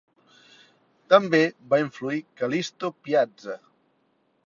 També va influir Callisto Piazza.